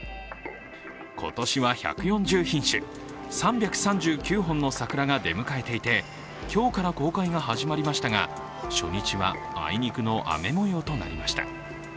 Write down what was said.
今年は１４０品種、３３９本の桜が出迎えていて今日から公開が始まりましたが、初日はあいにくの雨もようとなりました。